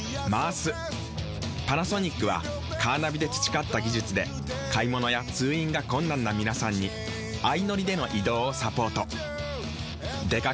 パナソニックはカーナビで培った技術で買物や通院が困難な皆さんに相乗りでの移動をサポート。